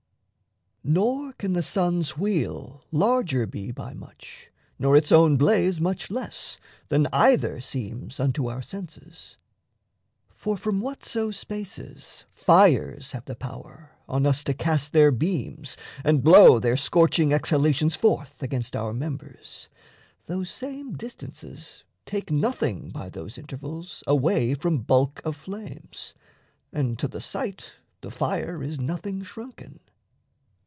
Nor can the sun's wheel larger be by much Nor its own blaze much less than either seems Unto our senses. For from whatso spaces Fires have the power on us to cast their beams And blow their scorching exhalations forth Against our members, those same distances Take nothing by those intervals away From bulk of flames; and to the sight the fire Is nothing shrunken.